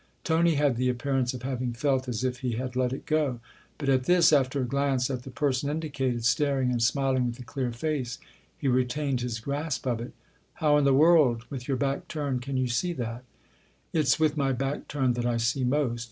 Tony had the appearance of having felt as if he had let it go; but at this, after a glance at the THE OTHER HOUSE 251 person indicated, staring and smiling with a clear face, he retained his grasp of it. " How in the world, with your back turned, can you see that ?"" It's with my back turned that I see most.